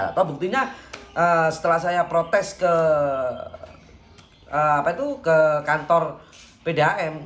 atau buktinya setelah saya protes ke kantor pdam